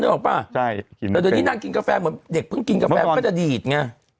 ออกป่ะใช่แต่เดี๋ยวนี้นางกินกาแฟเหมือนเด็กเพิ่งกินกาแฟมันก็จะดีดไง